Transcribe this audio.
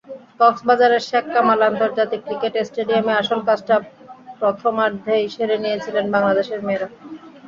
কক্সবাজারের শেখ কামাল আন্তর্জাতিক ক্রিকেট স্টেডিয়ামে আসল কাজটা প্রথমার্ধেই সেরে নিয়েছিল বাংলাদেশের মেয়েরা।